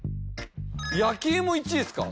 焼き芋１位ですか？